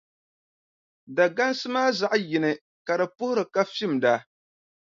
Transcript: Dagansi maa zaɣʼ yini ka di puhiri ka fimda.